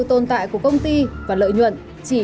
các loại của công ty và lợi nhuận chỉ